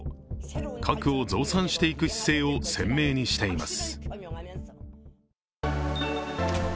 核を増産していく姿勢を鮮明にしています。